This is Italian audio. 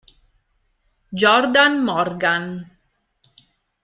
Jordan Morgan